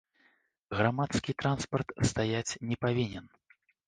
Грамадскі транспарт стаяць не павінен.